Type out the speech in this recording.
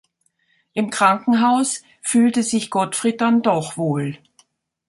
Im Krankenhaus fühlte sich Gottfried dann doch wohl.